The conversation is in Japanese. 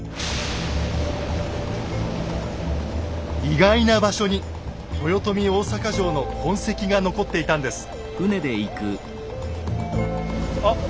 意外な場所に豊臣大坂城の痕跡が残っていたんです。